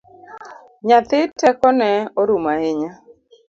Nyathi tekone orumo ahinya